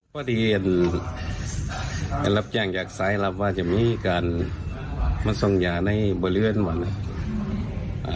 พอดีเอ็นเอ็นรับอย่างอยากสายรับว่าจะมีการมาส่งยาในบริเวณวันอ่ะ